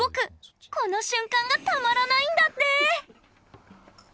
この瞬間がたまらないんだって！